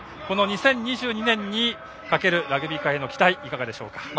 この２０２２年にかけるラグビー界への期待いかがでしょうか。